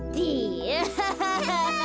アハハハハ！